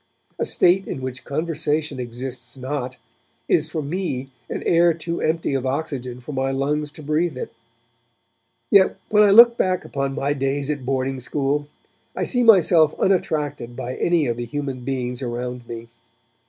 A state in which conversation exists not, is for me an air too empty of oxygen for my lungs to breathe it. Yet when I look back upon my days at boarding school, I see myself unattracted by any of the human beings around me.